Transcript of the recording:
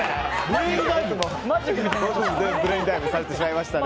僕もブレインダイブされてしまいましたね。